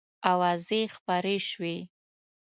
آوازې خپرې شوې.